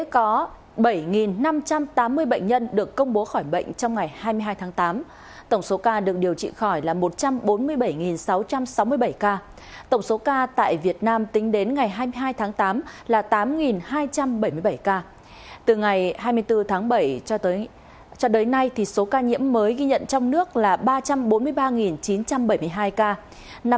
cho đến nay số ca nhiễm mới ghi nhận trong nước là ba trăm bốn mươi ba chín trăm bảy mươi hai ca